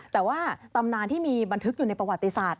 แต่ว่าตำนานที่มีบันทึกอยู่ในประวัติศาสต